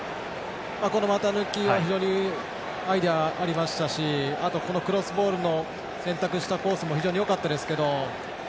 股抜きは非常にアイデアがありましたしあと、クロスボールの選択したコースも非常によかったですけど。